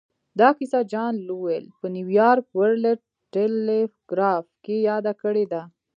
دا کيسه جان لويل په نيويارک ورلډ ټيليګراف کې ياده کړې ده.